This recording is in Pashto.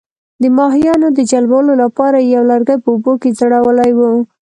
د ماهیانو د جلبولو لپاره یې یو لرګی په اوبو کې ځړولی وو.